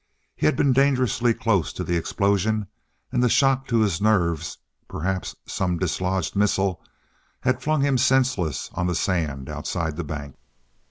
He had been dangerously close to the explosion and the shock to his nerves, perhaps some dislodged missile, had flung him senseless on the sand outside the bank.